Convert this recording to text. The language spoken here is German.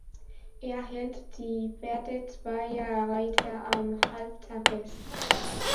Er hält die Pferde zweier Reiter am Halfter fest.